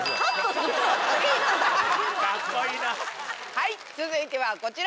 はい続いてはこちら。